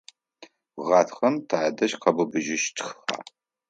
Гъатхэм тадэжь къэбыбыжьыщтха?